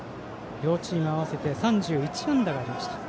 両チーム合わせて３１安打がありました。